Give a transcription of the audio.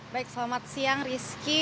baik selamat siang rizky